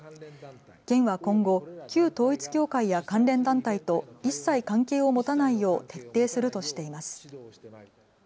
県は今後、旧統一教会や関連団体と一切、関係を持たないよう徹底するとしています。